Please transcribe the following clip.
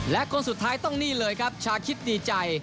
และคนสุดท้ายต้องนี่เลยครับชาคิดดีใจ